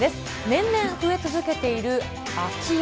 年々増え続けている空き家。